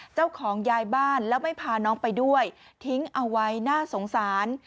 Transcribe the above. เจ้าของยายบ้านแล้วไม่พาน้องไปด้วยทิ้งเอาไว้น่าสงสาร